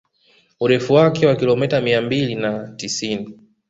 Urefu wake wa kilomita mia mbili na tisini